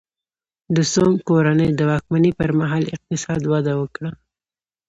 د سونګ کورنۍ د واکمنۍ پرمهال اقتصاد وده وکړه.